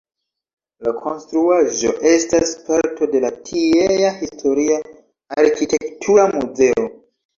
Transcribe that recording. La konstruaĵo estas parto de tiea Historia Arkitektura muzeo.